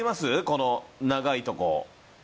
この長いとこ。